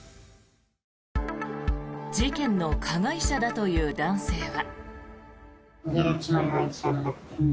事件の加害者だという男性は。